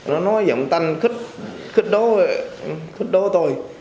nó nói giọng tanh khích khích đố tôi